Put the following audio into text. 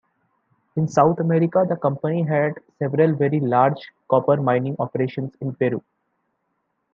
In South America, the company had several very large copper mining operations in Peru.